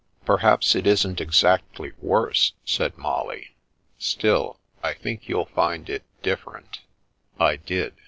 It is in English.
" Perhaps it isn't exactly worsey^ said Molly, " still— I think you'll find it different/' I did.